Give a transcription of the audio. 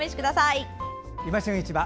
「いま旬市場」